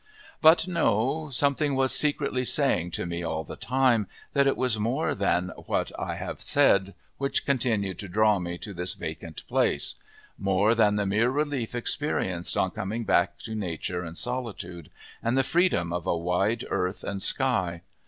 But no, something was secretly saying to me all the time, that it was more than what I have said which continued to draw me to this vacant place more than the mere relief experienced on coming back to nature and solitude, and the freedom of a wide earth and sky.